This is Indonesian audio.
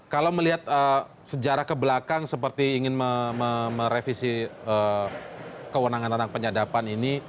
kalau melihat sejarah kebelakang seperti ingin merevisi kewenangan undang penyadapan ini